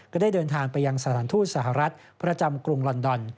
ก็ได้เดินทางไปยังสถานทูตสหรัฐประจำกรุงลอนดอน